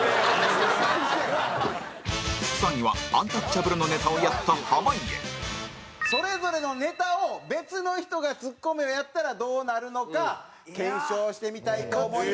３位は、アンタッチャブルのネタをやった濱家蛍原：それぞれのネタを別の人がツッコミをやったらどうなるのか検証してみたいと思います。